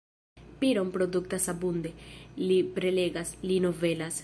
Piron produktas abunde, li prelegas, li novelas.